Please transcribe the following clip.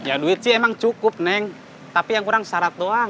ya duit sih emang cukup neng tapi yang kurang syarat doa